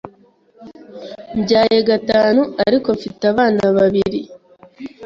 mbyaye gatanu ariko mfite abana babiri,